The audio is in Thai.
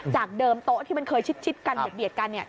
จากเดิมโต๊ะที่เคยชิดกันเดี๋ยวเบียดกัน